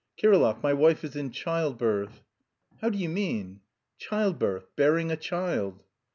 "Kirillov, my wife is in childbirth." "How do you mean?" "Childbirth, bearing a child!"